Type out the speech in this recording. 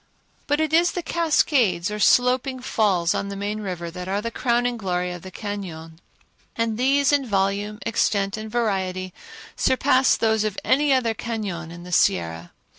But it is the cascades or sloping falls on the main river that are the crowning glory of the cañon, and these in volume, extent and variety surpass those of any other cañon in the Sierra.